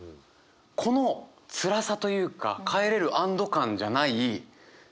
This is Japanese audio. このつらさというか帰れる安ど感じゃない何だろう？